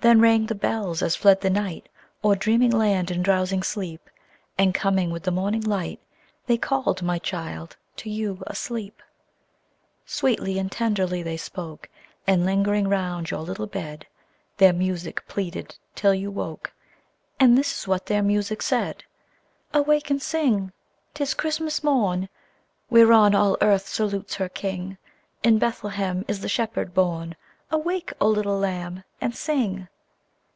Then rang the bells as fled the night O'er dreaming land and drowsing deep, And coming with the morning light, They called, my child, to you asleep. Sweetly and tenderly they spoke, And lingering round your little bed, Their music pleaded till you woke, And this is what their music said: "Awake and sing! 'tis Christmas morn, Whereon all earth salutes her King! In Bethlehem is the Shepherd born. Awake, O little lamb, and sing!"